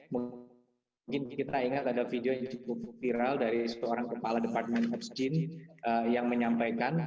mungkin kita ingat ada video yang cukup viral dari seorang kepala department exchange yang menyampaikan